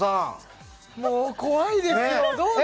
もう怖いですよ。